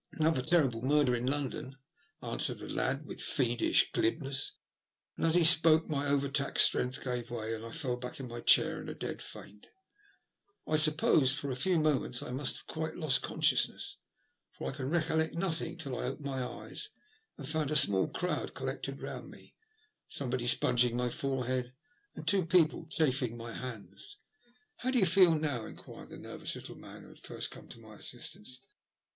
*' 'Nother terrible murder in London," answered the lad with fiendish glibness ; and as he spoke my over taxed strength gave way, and I fell back in my chair in a dead faint. I suppose for a few moments I must have quite lost consciousness, for I can recollect nothing until I opened my eyes and found a small crowd collected round me, somebody sponging my forehead, and two people chafing my hands. "How do you feel now?" enquired the nervous little man who had first come to my assistance.